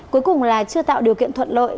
cuối cùng là chưa tạo điều kiện thuận lợi